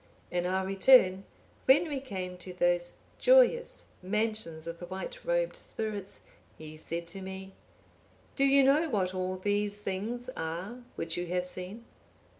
"In our return, when we came to those joyous mansions of the white robed spirits, he said to me, 'Do you know what all these things are which you have seen?